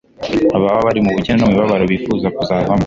baba bari mu bukene no mu mibabaro bifuza kuvamo